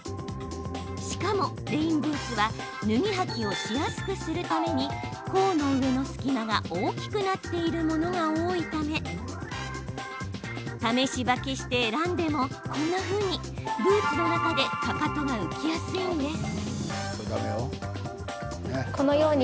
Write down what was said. しかも、レインブーツは脱ぎ履きをしやすくするために甲の上の隙間が大きくなっているものが多いため試し履きして選んでもこんなふうにブーツの中でかかとが浮きやすいんです。